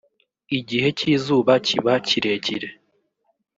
igihe cy’izuba kiba kirekire